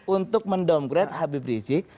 untuk mendowngrade habib rizik